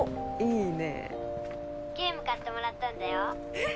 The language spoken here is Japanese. えっ！？